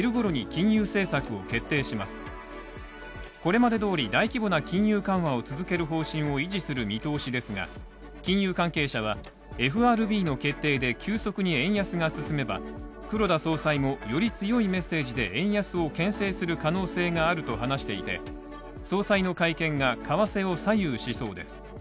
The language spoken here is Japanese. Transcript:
これまでどおり大規模な金融緩和を続ける方針を維持する見通しですが金融関係者は、ＦＲＢの決定で急速に円安が進めば黒田総裁も、より強いメッセージで円安をけん制する可能性があると話していて総裁の会見が為替を左右しそうです。